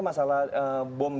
masalah bom di